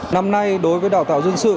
năm nay đối với đào tạo dân sự